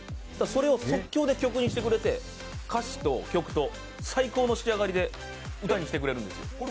それを即興で曲にしてくれて歌詞と曲と最高の仕上がりで歌にしてくれるんですよ。